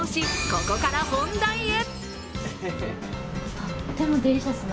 ここから本題へ。